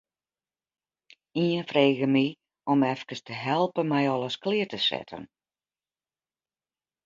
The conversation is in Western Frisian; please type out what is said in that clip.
Ien frege my om efkes te helpen mei alles klear te setten.